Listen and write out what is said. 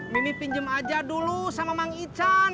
mimi pinjem aja dulu sama mang ican